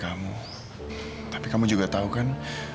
kemag ini tidak mungkin dia dengar